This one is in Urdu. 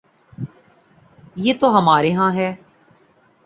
یہ تو ہمارے ہاں ہے۔